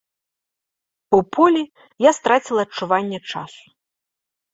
У полі я страціла адчуванне часу.